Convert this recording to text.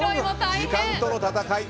時間との戦い。